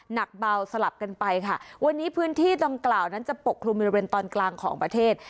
หนักเบาสลับกันไปค่ะวันนี้พื้นที่ดังกล่าวนั้นจะปกคลุมบริเวณตอนกลางของประเทศ